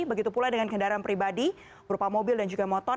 begitu pula dengan kendaraan pribadi berupa mobil dan juga motor